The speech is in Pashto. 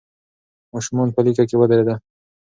ماشومان په لیکه کې ودرېدل.